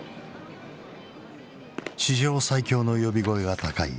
史上最強の呼び声が高い